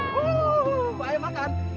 terus gimana nih kak